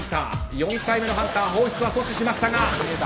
４体目のハンターの放出は阻止しました。